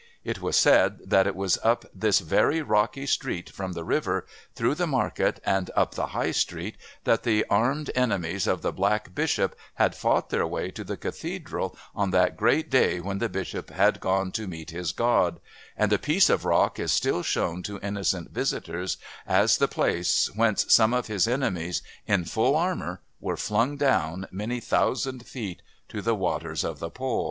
It was said that it was up this very rocky street from the river, through the market, and up the High Street that the armed enemies of the Black Bishop had fought their way to the Cathedral on that great day when the Bishop had gone to meet his God, and a piece of rock is still shown to innocent visitors as the place whence some of his enemies, in full armour, were flung down, many thousand feet, to the waters of the Pol.